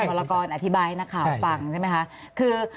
วรากรอธิบายให้หน้าข่าวฟังใช่ไหมคะ